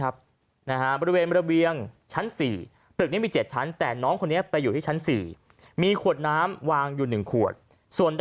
บริเวณบริเวณชั้น๔ตึกนี้มี๗ชั้นแต่น้องคนนี้ไปอยู่ที่ชั้น๔